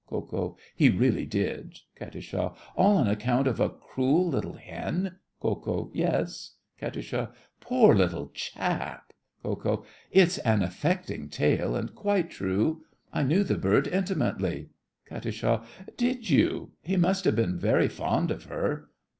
KO. He really did. KAT. All on account of a cruel little hen? KO. Yes. KAT. Poor little chap! KO. It's an affecting tale, and quite true. I knew the bird intimately. KAT. Did you? He must have been very fond of her.